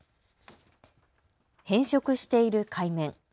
変色している海面。